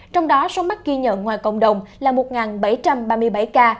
trong đó số mắc ghi nhận ngoài cộng đồng là một bảy trăm ba mươi bảy ca